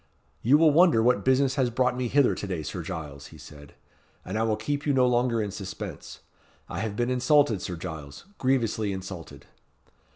"You will wonder what business has brought me hither to day, Sir Giles," he said; "and I will keep you no longer in suspense. I have been insulted, Sir Giles grievously insulted."